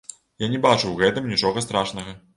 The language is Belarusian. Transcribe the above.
Я не бачу ў гэтым нічога страшнага.